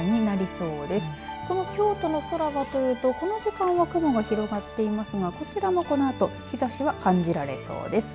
その京都の空はというとこの時間は雲が広がっていますがこちらは、このあと日ざしが感じられそうです。